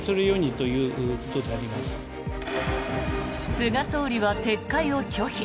菅総理は撤回を拒否。